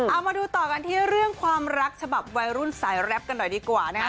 เอามาดูต่อกันที่เรื่องความรักฉบับวัยรุ่นสายแรปกันหน่อยดีกว่านะคะ